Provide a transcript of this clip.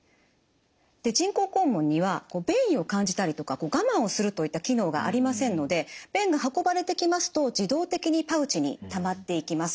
人工肛門には便意を感じたりとか我慢をするといった機能がありませんので便が運ばれてきますと自動的にパウチにたまっていきます。